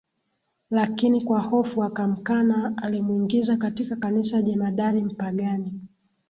lakini kwa hofu akamkana Alimwingiza katika Kanisa jemadari Mpagani